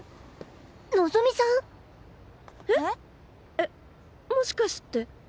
えっもしかして。